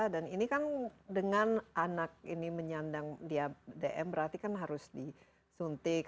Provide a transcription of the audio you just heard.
dan ini kan dengan anak ini menyandang dm berarti kan harus disuntik